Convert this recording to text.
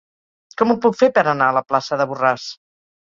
Com ho puc fer per anar a la plaça de Borràs?